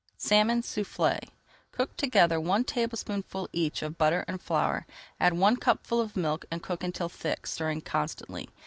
SALMON SOUFFLÉ Cook together one tablespoonful each of butter and flour, add one cupful of milk, and cook until thick, stirring constantly.